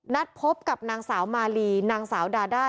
นัดพบกับนางสาวมาลีนางสาวดาด้า